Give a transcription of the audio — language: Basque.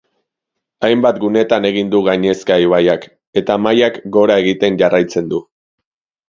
Hainbat gunetan egin du gainezka ibaiak, eta mailak gora egiten jarraitzen du.